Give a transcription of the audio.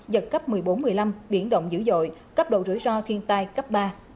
giật cấp một mươi bốn một mươi năm biển động dữ dội cấp độ rủi ro thiên tai cấp ba